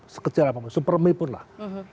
sekecil apa mungkin super mie pun lah